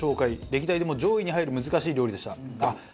歴代でも上位に入る難しい料理でした。